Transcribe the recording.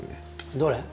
どれ？